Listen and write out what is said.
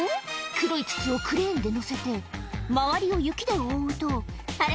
黒い筒をクレーンで載せて周りを雪で覆うとあれ？